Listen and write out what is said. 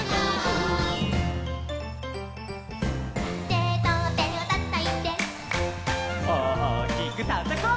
「テトテをたたいて」「おおきくたたこう」